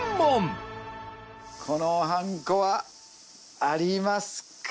このはんこはありますか？